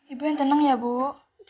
ibu yang tenang ya bu